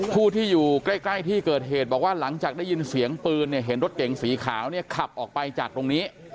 ผู้ที่อยู่ใกล้ที่เกิดเหตุบอกว่าหลังจากได้ยินเสียงปืนเนี่ยเห็นรถเก๋งสีขาวเนี่ยขับออกไปจากตรงนี้